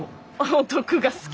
お得が好き。